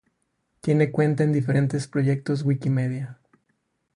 Tiene cuenta en diferentes proyectos Wikimedia.